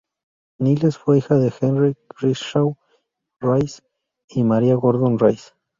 Niles fue hija de Henry Crenshaw Rice y Maria Gordon Rice.